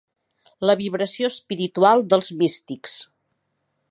La vibració espiritual dels místics.